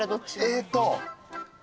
えっと。